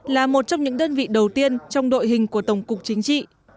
là một trong những đơn vị đầu tiên trong đội hình của tổng cục chính trị